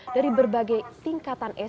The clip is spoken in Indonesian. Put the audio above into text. dari berbagai tingkatan indonesia